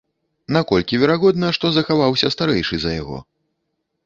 Наколькі верагодна, што захаваўся старэйшы за яго?